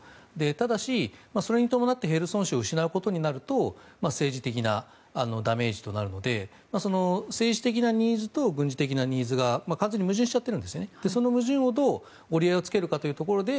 ただし、それに伴ってヘルソン市を失うことになると政治的なダメージとなるので政治的なニーズと軍事的なニーズが完全に矛盾していてその矛盾をどう折り合いをつけるかというところで